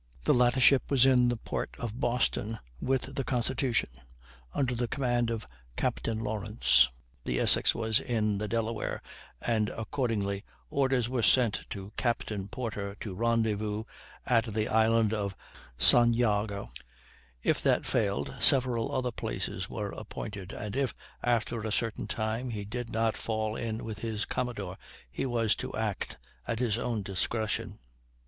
The latter ship was in the port of Boston with the Constitution, under the command of Captain Lawrence. The Essex was in the Delaware, and accordingly orders were sent to Captain Porter to rendezvous at the Island of San Jago; if that failed several other places were appointed, and if, after a certain time, he did not fall in with his commodore he was to act at his own discretion.